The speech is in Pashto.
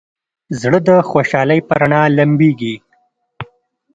زړه د خوشحالۍ په رڼا لمبېږي.